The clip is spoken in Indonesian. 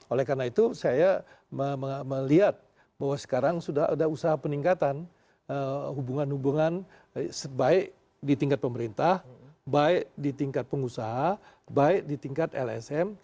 oleh karena itu saya melihat bahwa sekarang sudah ada usaha peningkatan hubungan hubungan baik di tingkat pemerintah baik di tingkat pengusaha baik di tingkat lsm